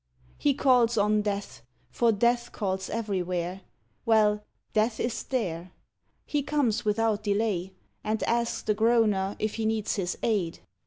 He calls on Death for Death calls everywhere Well, Death is there. He comes without delay, And asks the groaner if he needs his aid.